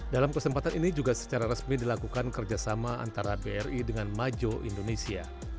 dalam kesempatan ini juga secara resmi dilakukan kerjasama antara bri dengan majo indonesia